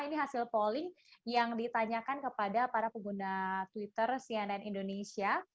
ini hasil polling yang ditanyakan kepada para pengguna twitter cnn indonesia